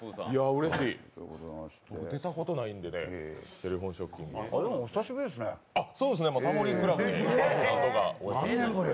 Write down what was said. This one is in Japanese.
うれしい、出たことないんでね、「テレフォンショッキング」お久しぶりですね、何年ぶり？